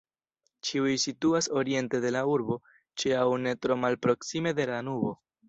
Ĉiuj situas oriente de la urbo, ĉe aŭ ne tro malproksime de Danubo.